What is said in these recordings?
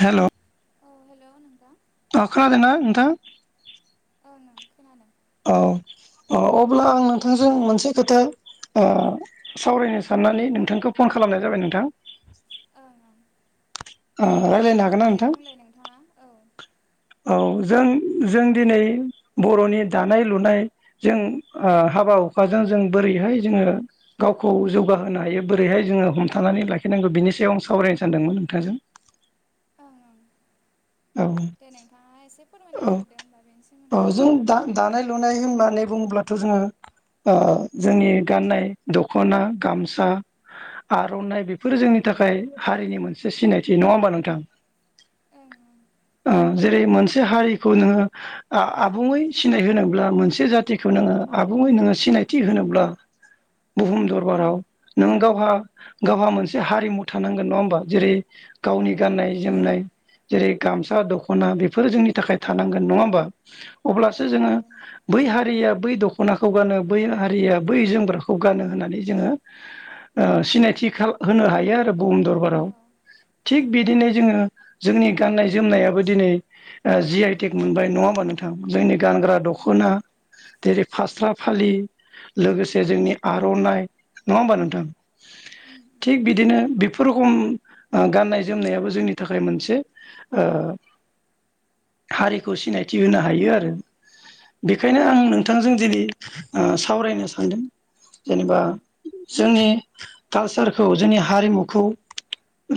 Hello औ hello नोंथां अ खोनादोंना नोंथां। ओं खोनादों। औ औ अब्ला आं नोंथांजों मोनसे खोथा ओह सावरायनो ओं साननानै नोंथांखौ फन खालामनाय जाबाय नोंथां। औ ओ रायज्लायनो औ हागोन ना दे नोंथां बुंलाय नोंथाङा औ। औ जों जों दिनै बरनि दानाय लुनाय जों ओह हाबा हुखाजों जों बोरैहाय जोङो गावखौ जौगाहोनो हायो बोरैहाय जोङो हमथानानै लाखिनांगौ बिनि सायाव आं सावरायनो सानदोंमोन नोंथांजों। ओं ओं। औ दे नोंथाङा एसे फोरमायना औ होग्रोदो होमबा बेनि औ सोमोन्दै जों दा-दानाय लु आरनाय होननानै बुङोब्लाथ जोङो ओह जोंनि गाननाय दखना गामसा आरनाइ बेफोरो जोंनि थाखाय हारिनि मोनसे सिनायथि नङा होमबा नोंथां। ओं जेरै मोनसे मोनसे हारिखौ नोङो आबुङै सिनाय होनोब्ला मोनसे जाथिखौ नोङो आबुङै नोङो सिनायथि होनोब्ला बुहुम ओं दरबाराव नों गावहा गावहा मोनसे हारिमु थानांगोन नङा होमबा जेरै गावनि औ गाननाय ओं जोमनाय जेरै गामसा दखना बेफोर जोंनि थाखाय थानांगोन नङा होमबा। अब्लासो ओं जोङो नंगौ नोंथां बै हारिया बै दखनाखौ गानो बै हारिया बै जोमग्राखौ गानो होननानै जोङो ओह सिनायथि खाला होनो हायो आरो। बुहुम दरबाराव औ थिग औ बिदिनो जोङो जोंनि गाननाय जोमनायाबो दिनै ओह जि आइ टेक मोनबाय नङा होमबा नोंथां जोंनि गानग्रा ओं दखना जेरै फास्रा फालि लोगोसे जोंनि आरनाइ नङा होमबा नोंथां ओं थिग बिदिनो बेफोर रखम गाननाय जोमनायाबो जोंनि थाखाय मोनसे ओह हारिखौ सिनायथि होनो हायो आरो ओं बेखायनो आं नोंथांजों दिनै सावरायनो सानदों जेनेबा जोंनि कालसारखौ जोंनि हारिमुखौ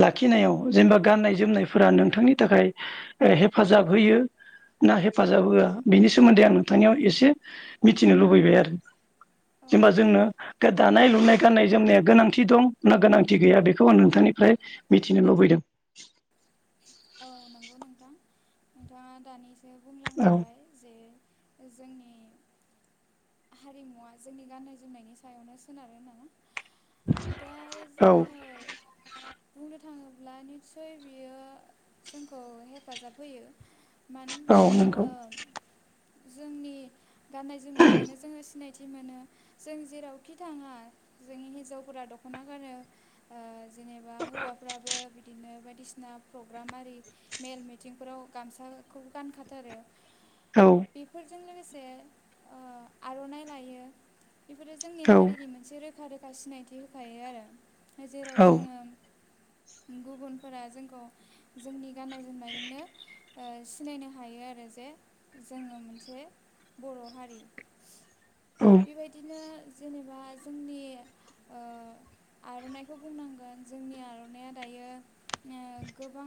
लाखिनायाव जेनेबा गाननाय जोमनायफोरा नोंथांनि थाखाय हेफ हेफाजाब होयो ना हेफाजाब होआ बिनि सोमोन्दै आं नोंथांनियाव एसे मिथिनो लुबैबाय आरो ओं जेनेबा औ जोंनो दानाय लुनाय गाननाय जोमनाया गोनांथि दं ना गोनांथि गैया बेखौ आं नोंथांनिफ्राय मिथिनो लुबैदों। औ नंगौ नोंथां नोंथाङा दानिस सो औ बुंलांखाबाय जे जोंनि हारिमुवा जोंनि गाननाय जोमनायनि सायावनो सोनारो होनना। दा औ जोङो बुंनो थाङोब्ला निस्सय बियो जोंखौ हेफाजाब होयो। मानो होनबा औ नंगौ जोङो जोंनि गाननाय जोमनायजोंनो जोङो सिनायथि मोनो जों जेरावखि थाङा जोंनि हिन्जावफोरा दखना गानो ओह जेनेबा हौवाफ्राबो बिदिनो बायद बिसना प्रग प्रग्रामारि मेल मिथिंफोराव गामसाखौ गानखाथारो। औ बेफोरजों लोगोसे से ओह आरनाइ लायो। बेफोरो जोंनि औ हारिनि मोनसे रोखा रोखा सिनायथि होखायो आरो। जेराव औ जोङो गुबुनफोरा जोंखौ जोंनि गाननाय जोमनायजोंनो ओ सिनायनो हायो आरो जे जोङो मोनसे बर' हारि बेबायदिनो जेनेबा जोंनि ओ आर'नाइखौ बुंनांगोन जोंनि आर'नाइया दायो गोबां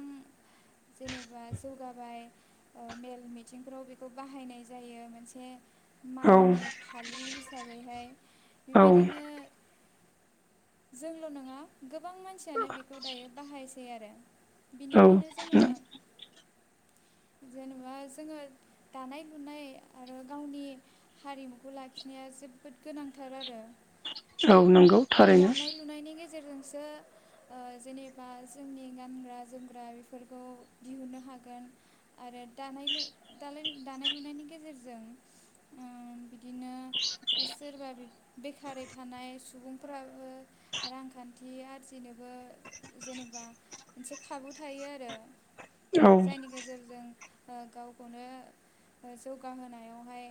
जेनेबा जौगाबाय मेल मिथिंफ्राव बेखौ बाहायनाय जायो मोनसे औ माननि फालि हिसाबैहाय औ बेबायदिनो जोंल' नङा गोबां मानसियानो बेखौ दायो बाहायसै आरो औ बिनिखायनो जोङो जेनेबा जोङो दानाय लुनाय आरो गावनि हारिमुखौ लाखिनाया जोबोद गोनांथार आरो औ नंगौ थारैनो दानाय लुनायनि गेजेरजोंसो ओ जेनेबा जोंनि गानग्रा जोमग्रा बेफोरखौ दिहुननो हागोन आरो दानाय दानाय लुनायनि गेजेरजों ओ बिदिनो सोरबा बेखारै थानाय सुबुंफ्राबो रांखान्थि आरजिनोबो जेनेबा मोनसे खाबु थायो आरो औ जायनि गेजेरजों गावखौनो जौगाहोनायावहाय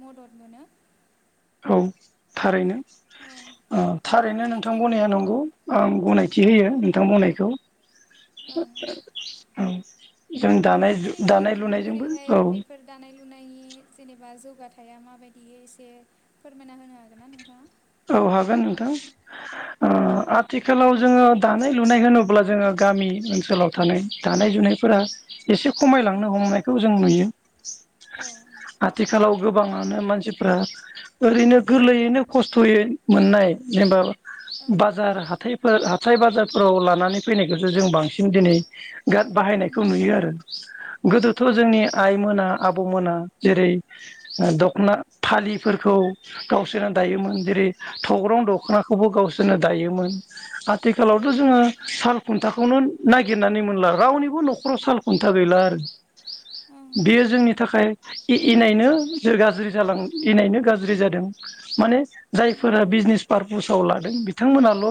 मदद मोनो औ थारैनो ओ ओ थारैनो नोंथां नोंथांमोननिथिं बुंनाया नंगौ आं गनायथि ओं होयो नोंथां बुंनायखौ ओं ओं औ जों दानाय दानाय नोंथांमोननिथिं लुनायजोंबो बोरैहाय औ बेफोर दानाय लुनाय जेनेबा जौ थाया माबायदि एसे फोरमायना होनो हागोन ना नोंथाङा औ हागोन नोंथां ओ आथिखालाव जोङो दानाय लुनाय होनोब्ला जोङो गामि ओनसोलाव थानाय दानाय लुनायफोरा एसे खमायलांनो हमनायखौ जों नुयो उम आथिखालाव गोबाङानो मानसिफ्रा ओैरैनो गोरलैयैनो खस्थ' यै मोननाय जेनेबा बाजार हाथाइफोर हाथाय बाजारफोराव लानानै फैनायखौसो जों बांसिन दिनै बिराद बाहायनायखौ नुयो आरो गोदोथ' औ जोंनि आइमोना आबौमोना जेरै दख'ना फालिफोरखौ गावसोरनो दायोमोन जेरै थग्रं दख'नाखौबो गावसोरनो दायोमोन ओं आथिखालावथ' जोङो सा खुन्थाखौनो नागिरनानै मोनला रावनिबो न'खराव साल खुन्था गैला आरो उम बेयो जोंनि थाखाय इनायनो ज गाज्रि जालां इनायनो गाज्रि जादों माने जायफोरा बिजनेस पार्पसाव लादों बिथांमोनाल'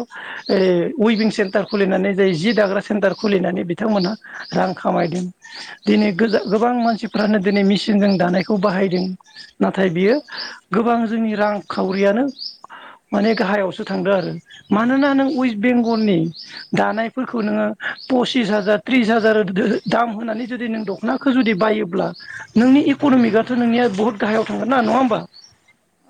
उइभिं सेन्टार खुलिनानै जाय जि दाग्रा सेन्टार खुलिनानै बिथांमोनहा रां खामायदों दिनै गोजा उम गोबां मानसिफ्रानो दिनै मेसिनजों दानायखौ बाहायदों नाथाय औ बियो गोबां जोंनि रां खावरियानो माने गाहायावसो थांदों आरो मानोना नों औ ओं उम औ वेस्ट बेंगलनि दानायफोरखौ नोङो पसिस हाजार ट्रिस हाजार दाम होनानै जुदि नों दख'नाखौ जुदि बायोब्ला नोंनि औ इकन'मिकआथ नोंनिया बहुत गाहायाव नङा होमबा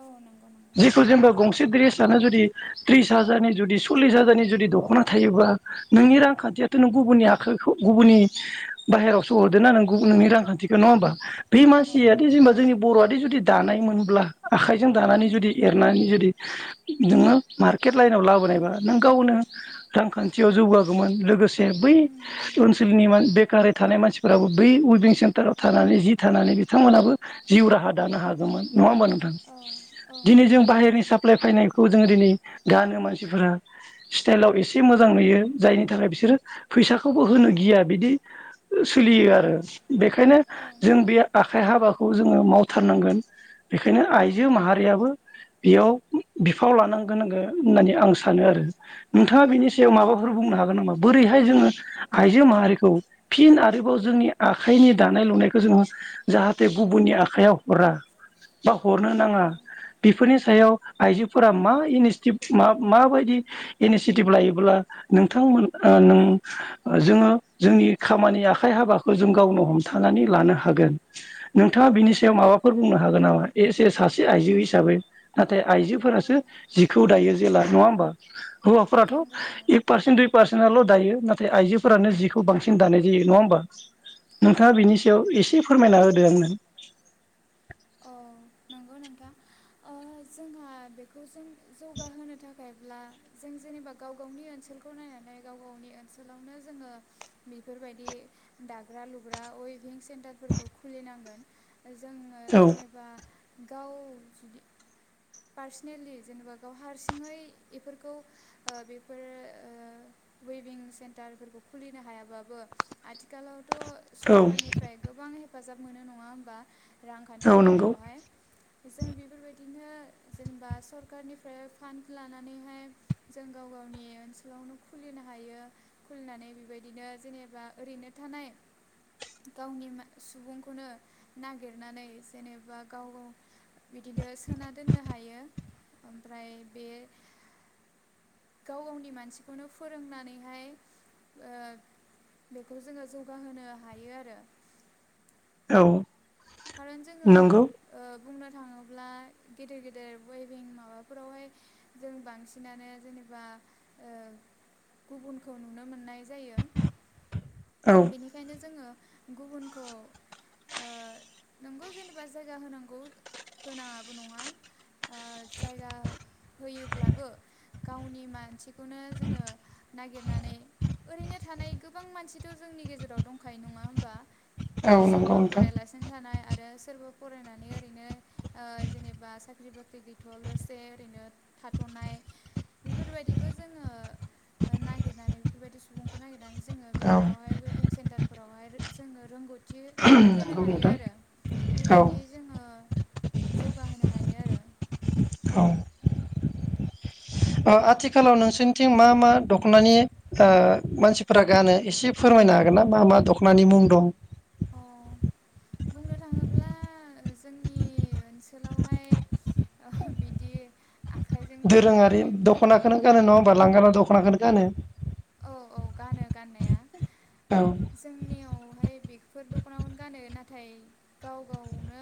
औ नंगौ नंगौ थ' जेनेबा गंसे ड्रेस लाना जुदि ट्रिस हाजारनि जुदि सल्लिस हाजारनि जुदि दख'ना थायोब्ला नोंनि रांखान्थियाथ' नों गुबुननि आखाइखौ गुबुननि बाहेरायावसो ओं हरदोंना ओं नों नोंनि रांखान्थि नङा होमबा बे औ औ मानसियाथ' जेनेबा जोंनि बर'आथ जुदि दानाय मोनब्ला आखाइजों दानानै उम जुदि एरनानै जुदि नोङो मार्केट लाइनाव उम लाबोनायबा नों गावनो रांखान्थियाव जौगागौमोन लोगोसे बै उम ओनसोलनि बेकै थानाय मानसिफोराबो बै उइबिं सेन्टाराव थानानै जि थानानै बिथांमोनहाबो जिउ राहा दानो हागौमोन नङा होमबा नोंथां उम औ औ दिनै नंगौ जों बाहेरनि साप्लाय फायनायखौ जोङो दिनै गानो मानसिफोरा स्टाइलाव एसे मोजां नुयो जायनि थाखाय बिसोरो फैसाखौबो होनो गिया बिदि औ सोलियो आरो बेखायनो औ जों नंगौ बे आखाइ हाबाखौ जोङो मावथारनांगोन बेखायनो आइजो माहारि रियाबो बेयाव बिफाव लानांगोनांगो होननानै आं सानो आरो नोंथाङा बिनि सायाव उम माबाफोर बुंनो हागोन नामा बोरैहाय जोङो आइजो माहारिखौ फिन आरोबाव जोंनि आखाइनि दानाय लुनायखौ जोङो जाहाथे गुबुननि आखाइयाव हरा बा हरनो उम औ नाङा बेफोरनि सायाव आइजोफोरा मा माबायदि इनिसिटिभ लायोब्ला नोंथां जोङो जोंनि खामानि आखाइ हाबाखौ जों गावनो हमथानानै लानो हागोन नोंथाङा बिनि औ सायाव माबाफोर बुंनो हागोन नामा ए सासे हिसाबै नाथाय औ आइजोफोरासो जिखौ दायो जेला नङा होमबा हौवाफोराथ' नंगौ नंगौ एक नोंथां पारसेन्ट दुइ पारसेन्ट ल' दायो नाथाय आइजोफोरानो जिखौ बांसिन दानाय जायो नङा होमबा औ नोंथाङा बिनि सायाव एसे एसे फोरमायना होदो आंनो था ओ जोंहा बेखौ जों जौगाहोनो थाखायब्ला जों जेनेबा गाव गावनि ओनसोलखौ नायनानै गाव गावनि ओनसोलावनो जोङो बेफोरबायदि दाग्रा लुग्रा अय थ्रेनिं सेन्टारफोरखौ खुलिनांगोन जोङो औ जेनेबा गाव जुदि पार्सनेलि जेनेबा गाव हारसिङै बेफोरखौ बेफोर वेभिं सेन्टारफोरखौ खुलिनो हायाबाबो आथिखालाव थ' औ सरखारनिफ्राय गोबां हेप हेफाजाब मोनो नङा होमबा रांखान्थि औ नंगौ बेलायावहाय जों बेफोरबायदिनो जेनेबा सरखारारनिफ्राय फान्ड लानानैहाय जों गाव गावनि ओनसोलावनो खुलिनो हायो खुलिनानै बेबायदिनो जेनेबा ओरैनो थानाय गावनि सुबुंखौनो नागिरनानै जेनेबा गाव गाव बिदिनो सोना दोननो हायो ओमफ्राय बे गाव गावनि मानसिखौनो फोरोंनानैहाय ओ बेखौ जोङो जौगाहोनो हायो आरो औ खार'न जोङो नंगौ बुंनो थाङोब्ला गेदेर गेदेर वेभिं माबाफोरावहाय जों बांसिनानो जेनेबा गुबुनखौ नुनो मोननाय जायो औ बेनिखायनो जोङो गुबुनखौ नोंगौ जेनेबा जायगा होनांगौ होनाङाबो नङा ओ जायगा होयोब्लाबो गावनि मानसिखौनो जोङो नागिरनानै ओरैनो थानाय गोबां मानसिथ' जोंनि गेजेराव दंखायो नङा होमबा। औ नंगौ सोरबा नोंथां फरायलासिनो थानाय आरो सोरबा फरायनानै ओरैनो जेनेबा साख्रि बाख्रि गैथ' लोगोसे ओरैनो थाथ'नाय बेफोरबायदिखौ जोङो नागिरनानै बेफोरबायदि सुबुंखौ नागिरनानै जोङो औ बेफोरावहाय वेबिं सेन्टारफोरावहाय जोङो रोंगौथि होनो नंगौ हायो नोंथां आरो। औ बेबायदि जोङो जौगाहोनो हायो आरो। औ ओ आथिखालाव नोंसोरनिथिं मा मा दख'नानि मानसिफोरा गानो एसे फोरमायनो हागोन ना मा मा दख'नानि मुं दं? अ बुंनो थाङोब्ला जोंनि ओनसोलावहाय बिदि आखाइजों दानाय दोरोङारि बा दखनाखौनो गानो नङा होनबा लांगोना दख' नाखौनो गानो। औ औ गानो गाननाया औ जोंनियावहाय बि फोर दखानावनो गानो नाथाय गाव गावनो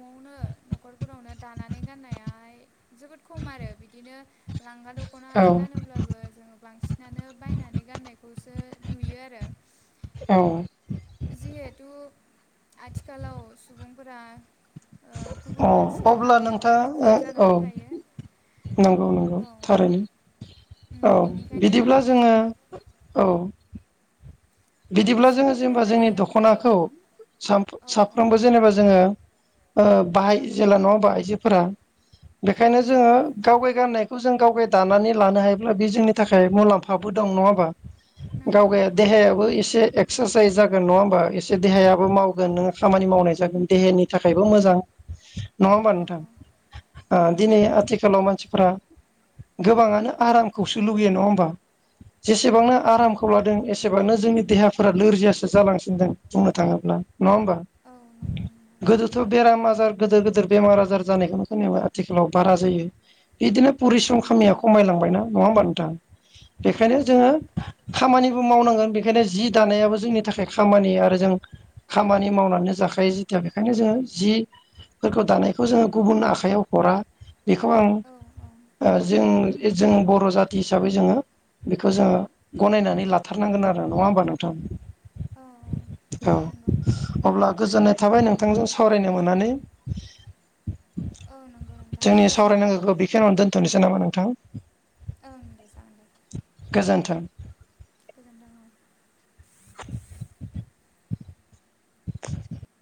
न'आवनो न'खरफोरावनो दानानै गाननायाहाय जोबोद खम आरो बिदिनो। लांगा दख'ना औ गानोब्लाबो जोङो बांसिन बायनानै गाननायखौसो नुयो आरो। औ जिहेथु आथिखालाव सुबुंफोरा ओ अ गुबुन मोनसे अब्ला हाबायावहाय नोंथां मुखुब औ जानानै थायो नंगौ नंगौ औ थारैनो। उम औ बेनिखायनो बिदिब्ला माने जोङो औ [inaudible] बिदिब्ला सम जोङो होनो जेनेबा जोंनि हायियावहाय दख'नाखौ साम औ औ साफ्रोमबो जेनेबा जोङो ओ बाहाय जेब्ला नङा होमबा आइजोफोरा ओं बेखायनो ओं जोङो गावगाय गाननाय जों गावगाय दानानै लानो हायोब्ला बे जोंनि थाखाय मुलाम्फाबो दं नङा होमबा। नंगौ गावगाया नंगौ। देहायाबो एसे एक्सारसाइस जागोन नङा होमबा एसे देहाया मावगोन औ नोङो खामानि मावनाय जागोन। देहानि थाखायबो मोजां नङा होमबा औ नोंथां औ नंगौ दिनै नंगौ आथिखालाव मानसिफ्रा गोबाङानो आरामखौसो लुुबैयो नङा होमबा? जेसेबांनो औ आरामखौ लादों एसे बांनो जोंनि देहाफोरा लोरजियासो जालांसिनदों बुंनो थाङोब्ला। नङा होमबा औ नंगौ गोदोथ' बेराम आजार गोदोर गोदोर बेमार आजार जानायखौनो खोनायामोन आथिखालाव बारा जायो। बिदिनो परिस्रम खामिया खमायलांबायना नङा होमबा नों [unintelligible] बेखायनो नंगौ जोङो खामानि बो मावनांगोन बि बेखायनो जि दानायाबो जोंनि थाखाय खामानि आरो जों खामानि मावनानै जाखायो जिथिया बेखायनो जोङो जिफोरखौ दानायखौ जोङो गुबुन आखाइयाव हरा। बेखौ आं उम नंगौ औ ओ जों जों बर' जाथि हिसाबै जोङो बेखौ जोङो गनायनानै लाथारनांगोन आरो नङा होमबा नोंथां? औ औ नंगौ अब्ला गोजोननाय थाबाय नोंथांजों सावरायनो मोननानै औ नंगौ नोंथां जोंनि गोजोननाय थाबाय सावरायनांगौखौ दे बेखिनिनो दोनथनोसै नामा नों थां ओं दे जागोन दे। गोजोन्थों। गोजोनथों ओं। बुजियाखै